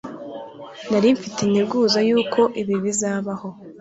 nari mfite integuza yuko ibi bizabaho